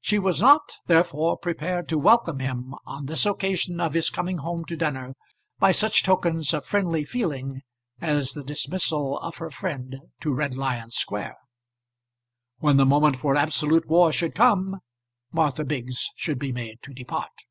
She was not therefore prepared to welcome him on this occasion of his coming home to dinner by such tokens of friendly feeling as the dismissal of her friend to Red Lion Square. When the moment for absolute war should come Martha Biggs should be made to depart.